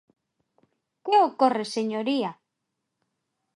¿Que ocorre, señoría?